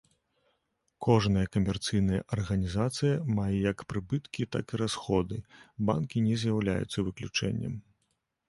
Кожная камерцыйная арганізацыя мае як прыбыткі так і расходы, банкі не з'яўляюцца выключэннем.